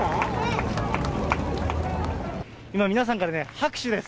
今、皆さんから拍手です。